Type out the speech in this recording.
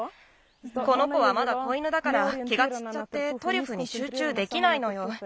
この子はまだ子犬だから気がちっちゃってトリュフにしゅうちゅうできないのよ。